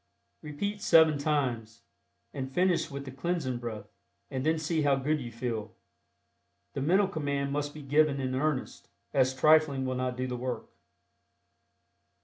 Repeat seven times, and finish with the Cleansing Breath, and then see how good you feel. The mental command must be given "in earnest," as trifling will not do the work.